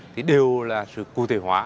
thì đều là sự cụ thể hóa